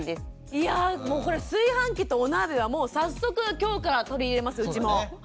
いやぁもうこれ炊飯器とお鍋はもう早速今日から取り入れますうちも。